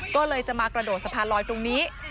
ก็เลยจะมากระโดดสะพานลอยตรงนี้